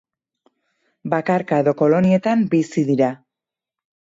Bakarka edo kolonietan bizi dira.